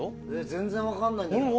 全然分かんないんだけど。